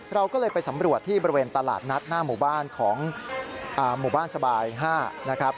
เราก็เลยไปสำรวจที่บริเวณตลาดนัดหน้าหมู่บ้านของหมู่บ้านสบาย๕นะครับ